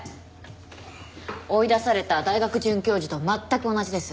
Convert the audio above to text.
追い出された大学准教授と全く同じです。